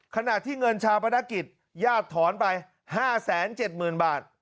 ขนาดที่เงินชาวพนักกิจยาดถอนไป๕๗๐๐๐๐บาท